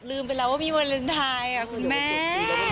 ลืมไปแล้วว่ามีเมื่อเวลาเท้าไทยค่ะคุณแม่